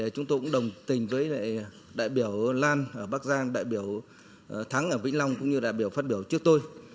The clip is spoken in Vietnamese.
chúng tôi cũng đồng tình với đại biểu lan bắc giang đại biểu thắng ở vĩnh long cũng như đại biểu phát biểu trước tôi